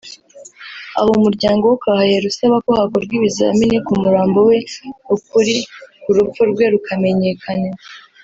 Aho umuryango we ukahahera usaba ko hakorwa ibizamini ku murambo we ukuri ku rupfu rwe rukamenyekana